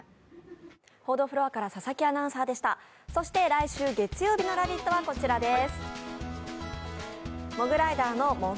来週月曜日の「ラヴィット！」はこちらです。